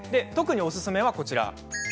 おすすめは、こちらです。